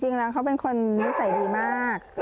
จริงแล้วเขาเป็นคนนิสัยดีมาก